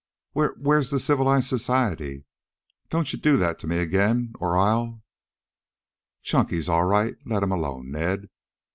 "Whe where's the civilized society? Don't you do that to me again, or I'll " "Chunky's all right. Let him alone, Ned.